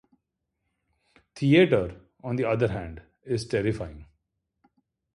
Theatre, on the other hand, is terrifying.